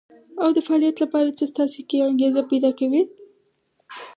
او د فعاليت لپاره څه تاسې کې انګېزه پيدا کوي.